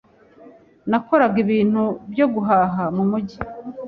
Nakoraga ibintu byo guhaha mumujyi.